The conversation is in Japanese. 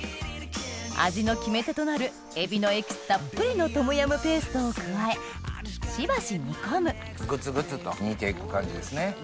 味の決め手となるエビのエキスたっぷりのトムヤムペーストを加えしばし煮込むグツグツと煮て行く感じですね。